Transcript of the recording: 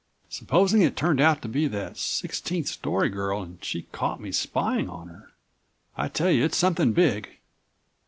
Supposing it turned out to be that sixteenth story girl and she caught me spying on her. I tell you it's something big!"